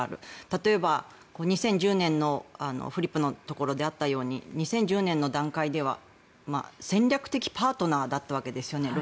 例えば、２０１０年のフリップのところであったように２０１０年の段階ではロシアは戦略的パートナーだったわけですよね。